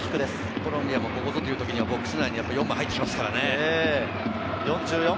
コロンビアもここぞっていうときはボックス内に４枚入ってくるからね。